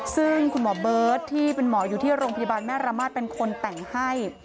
ซึ่งคุณหมอเบิร์ตที่เป็นหมออยู่ที่โรงพยาบาลแม่ระมาทเป็นคนแต่งให้